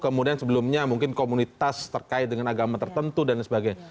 kemudian sebelumnya mungkin komunitas terkait dengan agama tertentu dan sebagainya